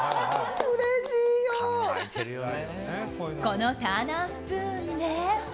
このターナースプーンで。